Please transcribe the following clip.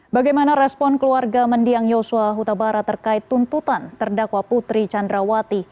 bagaimana respon keluarga mendiang yosua huta barat terkait tuntutan terdakwa putri candrawati